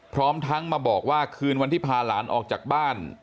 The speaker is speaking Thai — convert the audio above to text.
พร้อมทั้งมาบอกว่าคืนวันที่พาหลานออกจากบ้าน